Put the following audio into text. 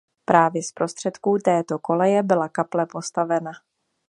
Právě z prostředků této koleje byla kaple postavena.